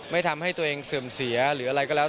ไม่ทำให้ตัวเองเสื่อมเสียหรืออะไรก็แล้ว